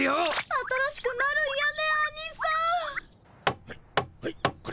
新しくなるんやねアニさん。